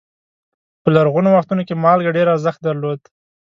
په لرغونو وختونو کې مالګه ډېر ارزښت درلود.